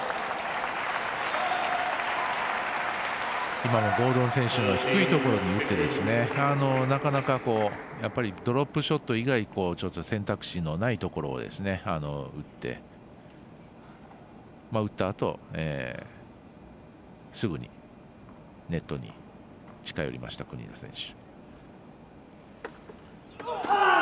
今もゴードン選手が低いところに打ってなかなかドロップショット以外にちょっと選択肢のないところを打って打ったあと、すぐにネットに近寄りました、国枝選手。